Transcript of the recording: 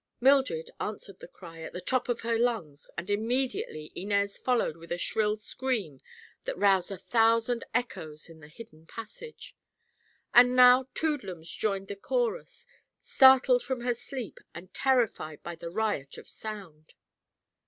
Mildred answered the cry, at the top of her lungs, and immediately Inez followed with a shrill scream that roused a thousand echoes in the hidden passage. And now Toodlums joined the chorus, startled from her sleep and terrified by the riot of sound.